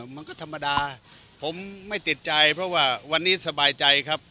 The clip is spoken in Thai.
มันก็ธรรมดาผมไม่ติดใจเพราะว่าวันนี้สบายใจครับ